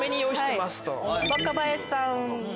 若林さんが。